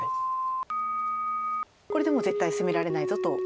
これでもう絶対攻められないぞと。